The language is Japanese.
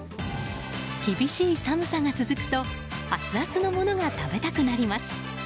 厳しい寒さが続くとアツアツのものが食べたくなります。